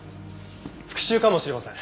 復讐かもしれません。